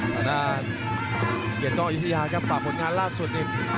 ธนาดเกร็ดกล้องยุธยาครับฝากผลงานล่าสุดนิด